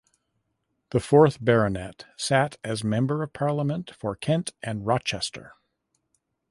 The fourth Baronet sat as Member of Parliament for Kent and Rochester.